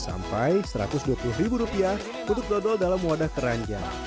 sampai satu ratus dua puluh ribu rupiah untuk dodol dalam wadah keranjang